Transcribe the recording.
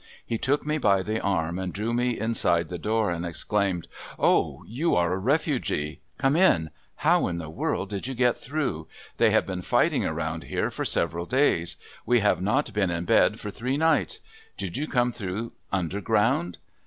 He took me by the arm and drew me inside the door and exclaimed: "Oh! you are a refugee. Come in. How in the world did you get through? They have been fighting around here for several days. We have not been in bed for three nights. Did you come through underground?"